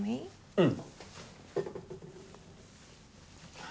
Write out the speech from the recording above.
うん。